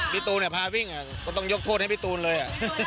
ตูนพาวิ่งก็ต้องยกโทษให้พี่ตูนเลย